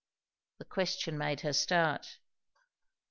The question made her start.